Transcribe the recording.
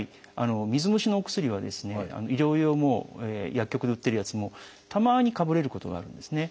水虫のお薬は医療用も薬局で売ってるやつもたまにかぶれることがあるんですね。